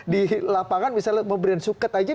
di lapangan misalnya pemberian suket aja